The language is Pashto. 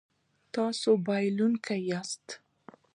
تاسو بایلونکی یاست